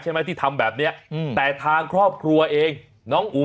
ใช่ไหมที่ทำแบบเนี้ยอืมแต่ทางครอบครัวเองน้องอุ๋ม